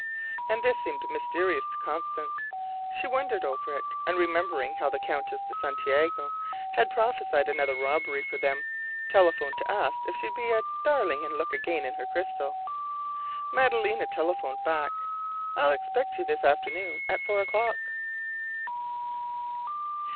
And this seemed mysterious to Constance. She wondered over it: and remembering how the Countess de Santiago had prophesied another robbery for them, telephoned to ask if she'd be "a darling, and look again in her crystal." Madalena telephoned back: "I'll expect you this afternoon at four o'clock."